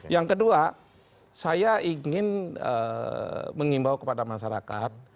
yang kedua saya ingin mengimbau kepada masyarakat